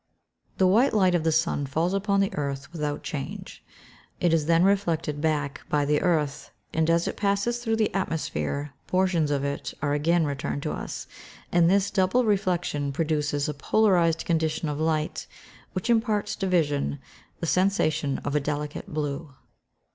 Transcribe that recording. _ The white light of the sun falls upon the earth without change; it is then reflected back by the earth, and as it passes through the atmosphere portions of it are again returned to us, and this double reflection produces a polarised condition of light which imparts to vision the sensation of a delicate blue.